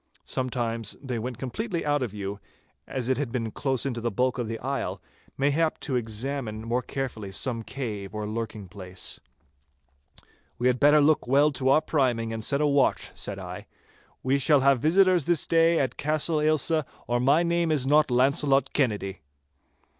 Sometimes they went completely out of view, as it had been close into the bulk of the isle, mayhap to examine more carefully some cave or lurking place. 'We had better look well to our priming, and set a watch,' said I. 'We shall have visitors this day at Castle Ailsa, or my name is not Launcelot Kennedy.